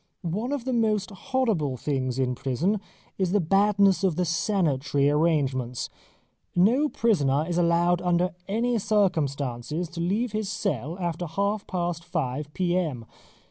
One of the most horrible things in prison is the badness of the sanitary arrangements. No prisoner is allowed under any circumstances to leave his cell after half past five p.m.